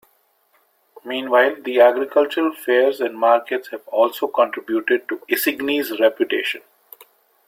Meanwhile, the agricultural fairs and markets have also contributed to Isigny's reputation.